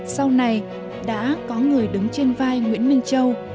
sau này đã có người đứng trên vai nguyễn minh châu